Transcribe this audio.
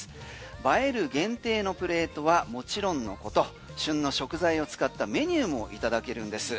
映える限定のプレートはもちろんのこと旬の食材を使ったメニューもいただけるんです。